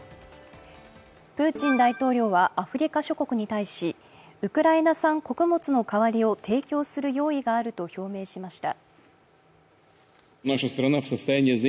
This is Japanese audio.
プーチン大統領はアフリカ諸国に対しウクライナ産穀物の代わりを提供する用意があると表明しました。